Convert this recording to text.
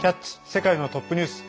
世界のトップニュース」